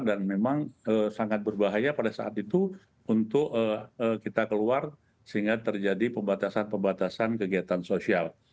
dan memang sangat berbahaya pada saat itu untuk kita keluar sehingga terjadi pembatasan pembatasan kegiatan sosial